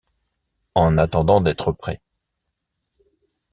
En attendant d’être prêt.